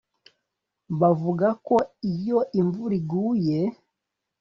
Bavuga ko iyo imvura iguye